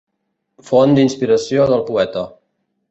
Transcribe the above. Font d'inspiració del poeta.